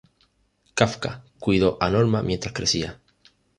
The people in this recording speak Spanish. Kafka cuidó a Norma mientras crecía.